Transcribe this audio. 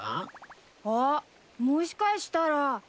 あっもしかしたら。